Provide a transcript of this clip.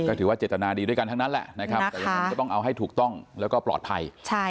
ก็ถือว่าเจตนาดีด้วยกันทั้งนั้นแหละนะครับแต่ยังไงก็ต้องเอาให้ถูกต้องแล้วก็ปลอดภัย